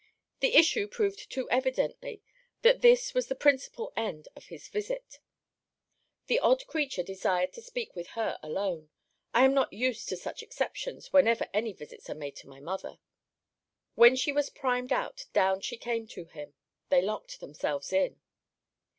The issue proved too evidently that this was the principal end of his visit. The odd creature desired to speak with her alone. I am not used to such exceptions whenever any visits are made to my mother. When she was primed out, down she came to him. They locked themselves in.